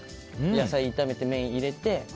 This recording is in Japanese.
野菜炒めて、麺入れて。